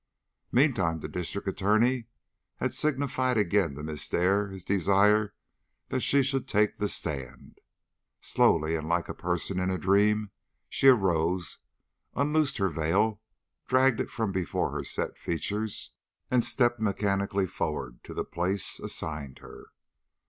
Meantime the District Attorney had signified again to Miss Dare his desire that she should take the stand. Slowly, and like a person in a dream, she arose, unloosed her veil, dragged it from before her set features, and stepped mechanically forward to the place assigned her.